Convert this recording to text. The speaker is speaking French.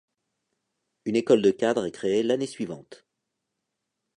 Une école de cadres est créée l'année suivante.